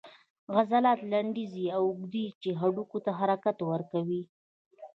عضلات لنډیږي او اوږدیږي چې هډوکو ته حرکت ورکوي